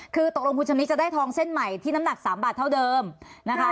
คือตกลงคุณชำนิดจะได้ทองเส้นใหม่ที่น้ำหนัก๓บาทเท่าเดิมนะคะ